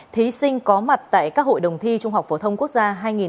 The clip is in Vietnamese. thí sinh có mặt tại các hội đồng thi trung học phổ thông quốc gia